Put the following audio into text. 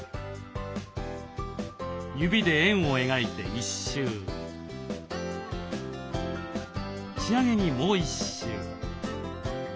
指で円を描いて１周仕上げにもう１周。